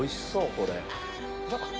これ。